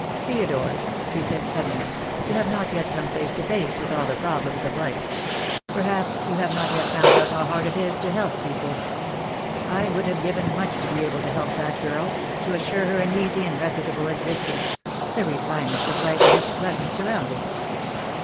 "Theodore," he said suddenly, "you have not yet come face to face with all the problems of life. Perhaps you have not yet found out how hard it is to help people. I would have given much to be able to help that girl — to assure her an easy and reputable existence — the re finements of life amidst pleasant surroundings.